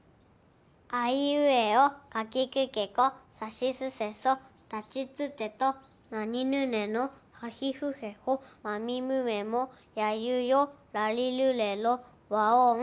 あいうえおかきくけこさしすせそたちつてとなにぬねのはひふへほまみむめもやゆよらりるれろわをん。